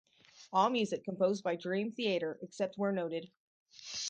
All music composed by Dream Theater except where noted.